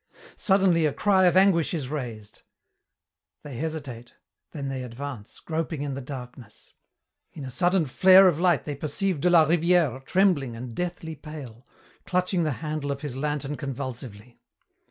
Suddenly a cry of anguish is raised. They hesitate, then they advance, groping in the darkness. In a sudden flare of light they perceive de la Rivière trembling and deathly pale, clutching the handle of his lantern convulsively.